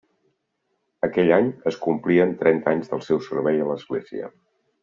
Aquell any es complien trenta anys del seu servei a l'Església.